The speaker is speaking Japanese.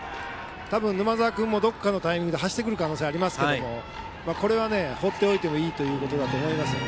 沼澤君もどこかのタイミングで走ってくる可能性もありますがこれは放っておいてもいいということですね。